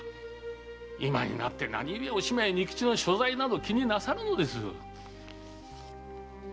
今になって何ゆえお島や仁吉の所在など気になさるのです？